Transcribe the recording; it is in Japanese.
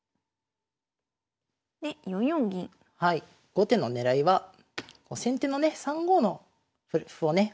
後手の狙いは先手のね３五の歩をね